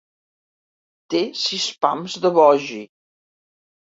Té sis pams de vogi.